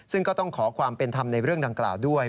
ซึ่งก็ต้องขอความเป็นธรรมในเรื่องดังกล่าวด้วย